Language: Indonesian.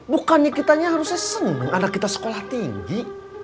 bukannya kitanya harusnya senang anak kita sekolah tinggi